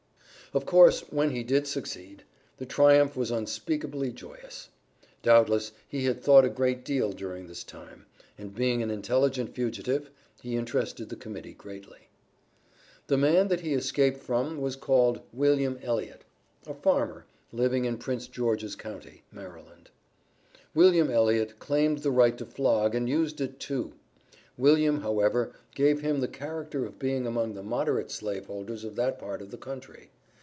Of course, when he did succeed, the triumph was unspeakably joyous. Doubtless, he had thought a great deal during this time, and being an intelligent fugitive, he interested the Committee greatly. The man that he escaped from was called William Elliott, a farmer, living in Prince George's county, Md. William Elliott claimed the right to flog and used it too. William, however, gave him the character of being among the moderate slave holders of that part of the country.